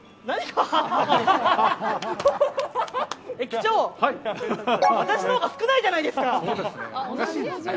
駅長、私のほうが少ないじゃないですか。